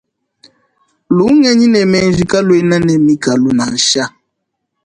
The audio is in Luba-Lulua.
Lungenyi ne menji kaluena ne mikalu nansha.